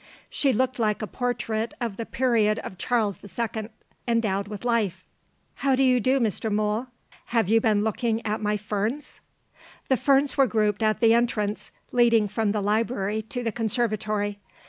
She looked like a portrait of the period of Charles the Second, endowed with life. "And how do you do, Mr. Mool? Have you been looking at my ferns?" The ferns were grouped at the entrance, leading from the library to the conservatory.